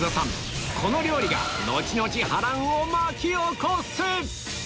この料理が後々波乱を巻き起こす！